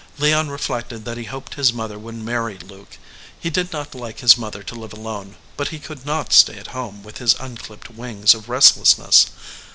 Leon re flected that he hoped his mother would marry Luke. He did not like his mother to live alone, but he could not stay home with his undipped wings of restlessness.